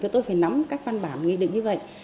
tôi phải nắm các văn bản nghị định như vậy